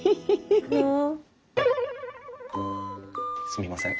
すみません